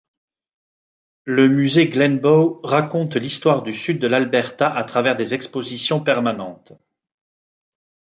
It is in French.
Le musée Glenbow raconte l'histoire du sud de l'Alberta à travers des expositions permanentes.